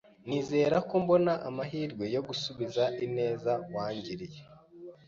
Nizere ko mbona amahirwe yo gusubiza ineza wangiriye.